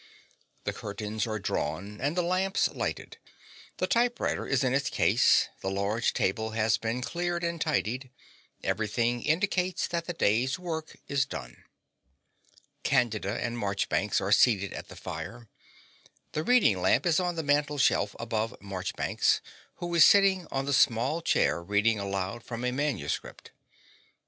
The curtains are drawn, and the lamps lighted. The typewriter is in its case; the large table has been cleared and tidied; everything indicates that the day's work is done. Candida and Marchbanks are seated at the fire. The reading lamp is on the mantelshelf above Marchbanks, who is sitting on the small chair reading aloud from a manuscript.